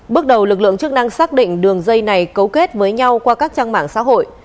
bước đầu lực lượng chức năng xác định đường dây này cấu kết với nhau qua các trang mạng xã hội